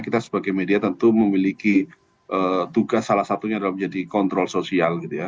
kita sebagai media tentu memiliki tugas salah satunya adalah menjadi kontrol sosial gitu ya